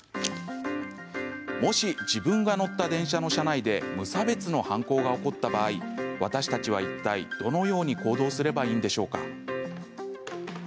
もし自分が乗った電車の車内で無差別の犯行が起こった場合私たちは、いったいどのように行動すればいいんでしょうか？